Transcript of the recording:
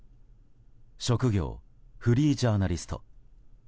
職業、フリージャーナリスト。